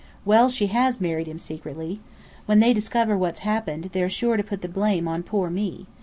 Well, she has married him secretly. When they discover what's happened, they're sure to put the blame on poor me.